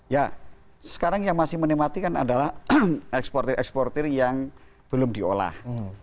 ya sekarang yang masih menikmatikan adalah ekspor ekspor yang belum diolah